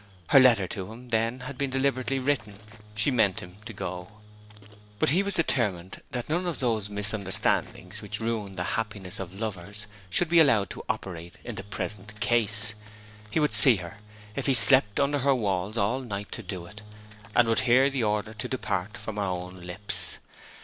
Her letter to him, then, had been deliberately written; she meant him to go. But he was determined that none of those misunderstandings which ruin the happiness of lovers should be allowed to operate in the present case. He would see her, if he slept under her walls all night to do it, and would hear the order to depart from her own lips.